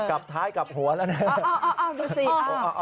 กลับท้ายกลับหัวแล้วเนี้ยอ๋ออ๋ออ๋อดูสิอ๋ออ๋ออ๋อ